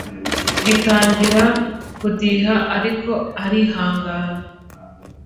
gitangira kudiha ariko arihangana